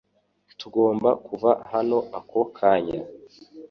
Tugomba kuva hano ako kanya